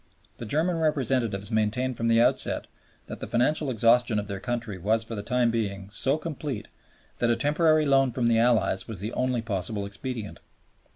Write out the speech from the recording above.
The German representatives maintained from the outset that the financial exhaustion of their country was for the time being so complete that a temporary loan from the Allies was the only possible expedient.